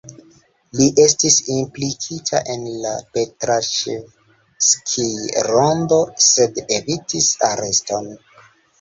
Li estis implikita en la Petraŝevskij-Rondo, sed evitis areston.